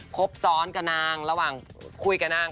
คบซ้อนกับนาง